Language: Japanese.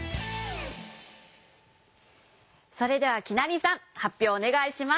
それではきなりさんはっぴょうおねがいします。